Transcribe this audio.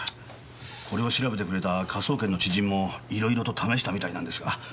これを調べてくれた科捜研の知人もいろいろと試したみたいなんですがどうも。